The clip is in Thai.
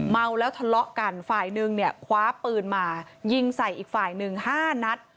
เมาแล้วทะเลาะกันฝ่ายหนึ่งเนี่ยคว้าปืนมายิงใส่อีกฝ่ายหนึ่งห้านัด